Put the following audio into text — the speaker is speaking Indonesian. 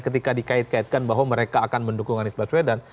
ketika dikait kaitkan bahwa mereka akan mendukung anies baswedan